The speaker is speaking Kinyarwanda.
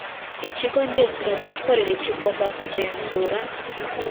Ikigo ngenzuramikorere kigomba kungenzura